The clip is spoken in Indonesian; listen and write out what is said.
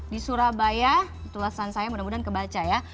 di surabaya tulisan saya mudah mudahan kebaca ya